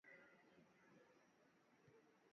Baba ana ripa bantu bende baka rime ku mashamba yetu